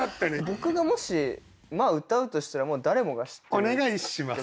僕がもし歌うとしたら誰もが知ってる曲。